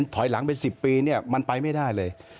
ถอยหลังเป็น๑๐ปีเนี่ยมันไปไม่ได้เลย